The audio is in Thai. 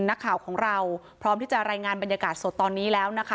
นักข่าวของเราพร้อมที่จะรายงานบรรยากาศสดตอนนี้แล้วนะคะ